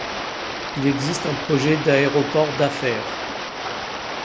Il existe un projet d'aéroport d'affaires.